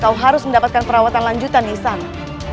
kau harus mendapatkan perawatan lanjutan di istana